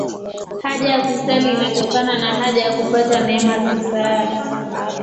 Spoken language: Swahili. Haja ya kusali inatokana na haja ya kupata neema za msaada.